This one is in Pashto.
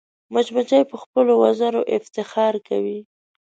مچمچۍ په خپلو وزرو افتخار کوي